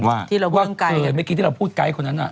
ว่าเกิดว่าเมื่อกี้ครูพูดไก้คนนั้น